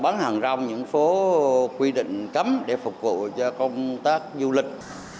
bán hàng rong những phố quy định cấm để phục vụ cho công tác du lịch